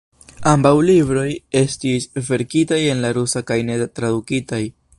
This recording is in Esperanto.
Ambaŭ libroj estis verkitaj en la rusa kaj ne tradukitaj.